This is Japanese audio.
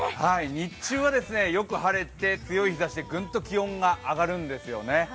日中はよく晴れて強い日ざしで気温がグンと上がるんですね。